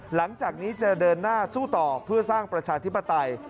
หลังจากนี้จะเดินหน้าสู้ต่อเพื่อสร้างประชาธิปไตย